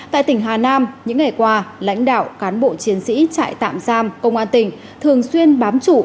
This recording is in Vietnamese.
tại tỉnh hà nam những ngày qua lãnh đạo cán bộ chiến sĩ trại tạm giam công an tỉnh thường xuyên bám trụ